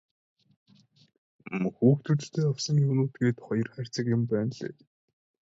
Хүүхдүүддээ авсан юмнууд гээд хоёр хайрцаг юм байнлээ.